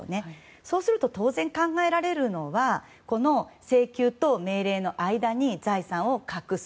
そうすると当然、考えられるのはこの請求と命令の間に財産を隠す。